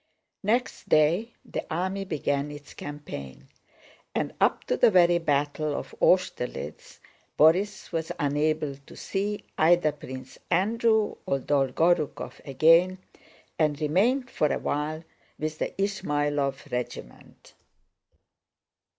Next day, the army began its campaign, and up to the very battle of Austerlitz, Borís was unable to see either Prince Andrew or Dolgorúkov again and remained for a while with the Ismáylov regiment.